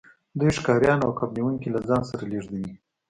دوی ښکاریان او کب نیونکي له ځان سره لیږدوي